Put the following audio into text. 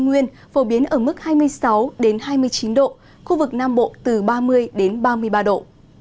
nguyên phổ biến ở mức hai mươi sáu hai mươi chín độ khu vực nam bộ từ ba mươi ba mươi ba độ